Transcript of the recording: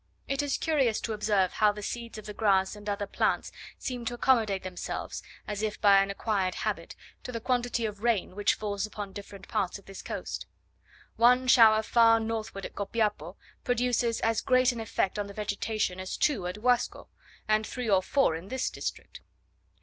It is curious to observe how the seeds of the grass and other plants seem to accommodate themselves, as if by an acquired habit, to the quantity of rain which falls upon different parts of this coast. One shower far northward at Copiapo produces as great an effect on the vegetation, as two at Guasco, and three or four in this district.